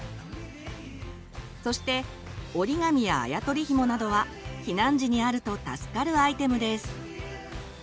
そして折り紙やあや取りひもなどは避難時にあると助かるアイテムです。